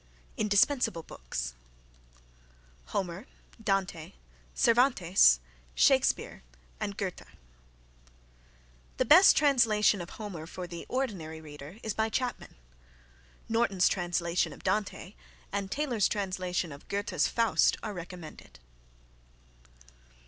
INDISPENSABLE BOOKS Homer, Dante, Cervantes, Shakespeare and Goethe. (The best translation of Homer for the ordinary reader is by Chapman. Norton's translation of Dante and Taylor's translation of Goethe's Faust are recommended.)